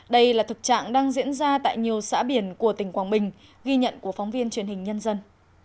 đây là thực trạng đang diễn ra tại nhiều xã biển của tỉnh quảng bình ghi nhận của phóng viên truyền hình nhân dân